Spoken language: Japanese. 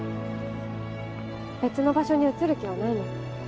別の場所に移る気はないの？